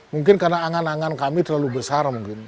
mungkin karena angan angan kami terlalu besar mungkin